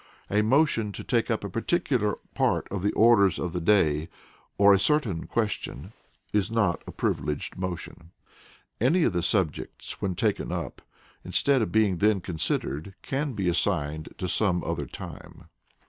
(A motion to take up a particular part of the Orders of the Day, or a certain question, is not a privileged motion). Any of the subjects, when taken up, instead of being then considered, can be assigned to some other time.